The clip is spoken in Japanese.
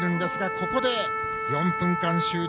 ここで、４分間終了。